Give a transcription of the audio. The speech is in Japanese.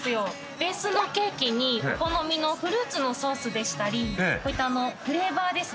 ベースのケーキにお好みのフルーツのソースでしたりこういったフレーバーですね